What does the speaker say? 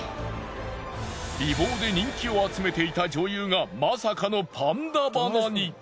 美貌で人気を集めていた女優がまさかのパンダ鼻に！